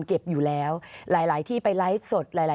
ขอบคุณครับ